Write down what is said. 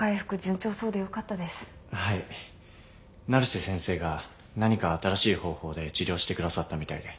成瀬先生が何か新しい方法で治療してくださったみたいで。